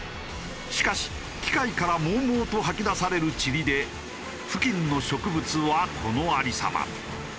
しかし機械からもうもうと吐き出されるちりで付近の植物はこの有り様。